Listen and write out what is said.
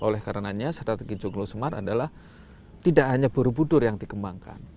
oleh karenanya strategi joglo semar adalah tidak hanya borobudur yang dikembangkan